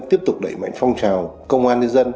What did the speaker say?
tiếp tục đẩy mạnh phong trào công an nhân dân